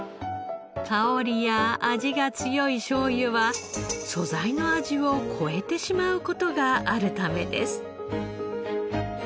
香りや味が強いしょうゆは素材の味を超えてしまう事があるためです。